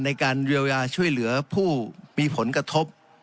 ในการเยียวยาช่วยเหลือผู้มีผลกระทบ